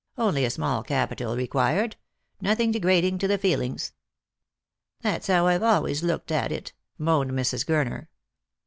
Only a small capital required. Nothing degrading to the feelings." " That's how I've always looked at it," moaned Mrs. Gurner.